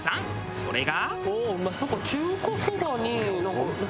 それが。